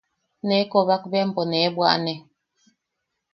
Nee koobak bea empo nee bwaʼane.